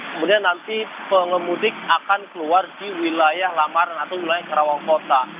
kemudian nanti pengemudi akan keluar di wilayah lamaran atau wilayah karawang kota